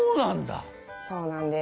そうなんだ！